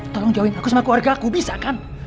tolong join aku sama keluarga aku bisa kan